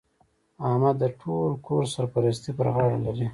احمد د ټول کور سرپرستي پر غاړه لري.